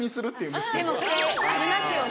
でもそれありますよね